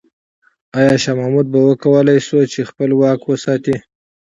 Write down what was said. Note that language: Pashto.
آیا شاه محمود به وکولای شي چې خپل واک وساتي؟